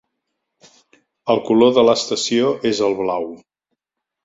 El color de l'estació és el blau.